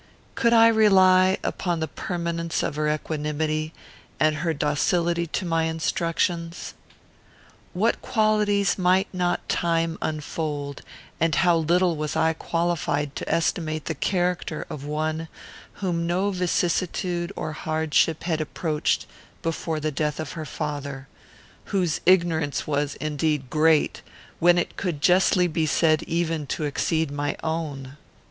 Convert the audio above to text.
Could I rely upon the permanence of her equanimity and her docility to my instructions? What qualities might not time unfold, and how little was I qualified to estimate the character of one whom no vicissitude or hardship had approached before the death of her father, whose ignorance was, indeed, great, when it could justly be said even to exceed my own!